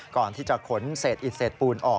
ก่อนที่จะขนเศษอิดเศษปูนออก